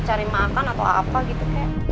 cari makan atau apa gitu